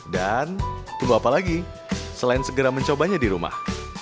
dan belum apa lagi selain segera mencobanya di rumah